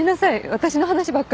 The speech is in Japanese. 私の話ばっかり。